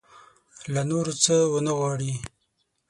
له نورو څه ونه وغواړي.